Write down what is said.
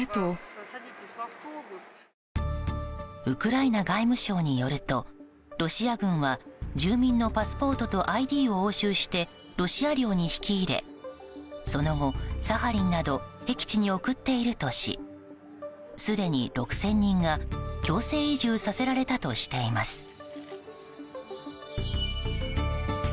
ウクライナ外務省によるとロシア軍は住民のパスポートとＩＤを押収してロシア領に引き入れその後、サハリンなど僻地に送っているとしすでに６０００人が強制移住させられたとしています。